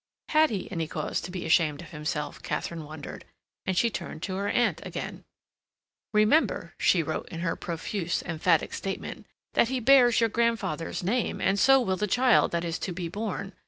Had he any cause to be ashamed of himself, Katharine wondered; and she turned to her aunt again. "Remember," she wrote, in her profuse, emphatic statement, "that he bears your grandfather's name, and so will the child that is to be born.